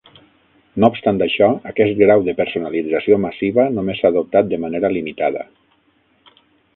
No obstant això, aquest grau de personalització massiva només s'ha adoptat de manera limitada.